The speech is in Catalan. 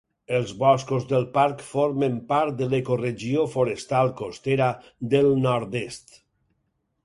Els boscos del parc formen part de l'ecoregió forestal costera del nord-est.